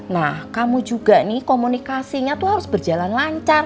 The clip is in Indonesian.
nah kamu juga nih komunikasinya tuh harus berjalan lancar